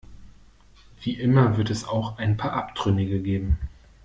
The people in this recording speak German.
Wie immer wird es auch ein paar Abtrünnige geben.